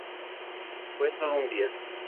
Fue sólo un día.